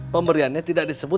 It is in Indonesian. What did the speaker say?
pemberiannya tidak disebut